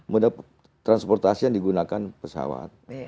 moda transportasi yang digunakan pesawat